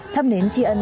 thăm nến tri ân